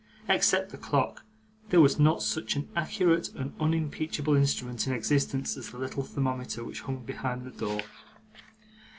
Except the clock, there was not such an accurate and unimpeachable instrument in existence as the little thermometer which hung behind the door.